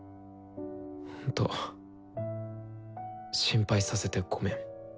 ほんと心配させてごめん。